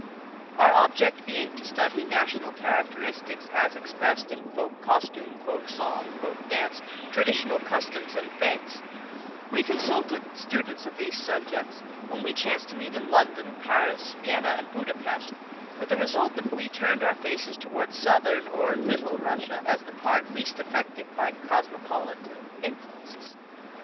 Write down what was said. Our object being to study national characteristics as expressed in folk costume, folk song, folk dance, traditional customs and fêtes, we consulted students of these subjects, whom we chanced to meet in London, Paris, Vienna and Buda Pest, with the result that we turned our faces toward southern or "Little" Russia, as the part least affected by cosmopolitan influences.